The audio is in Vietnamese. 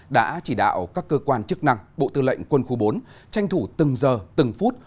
đã chỉ đạo các cơ quan chức năng bộ tư lệnh quân khu bốn tranh thủ từng giờ từng phút